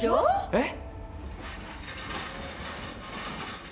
えっ。